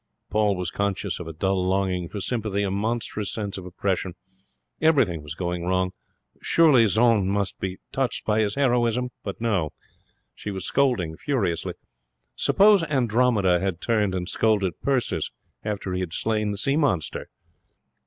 Paul was conscious of a dull longing for sympathy, a monstrous sense of oppression. Everything was going wrong. Surely Jeanne must be touched by his heroism? But no. She was scolding furiously. Suppose Andromeda had turned and scolded Perseus after he had slain the sea monster!